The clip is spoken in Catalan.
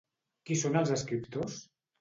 Qui són els escriptors?